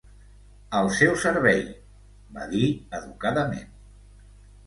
"Al seu servei", va dir educadament.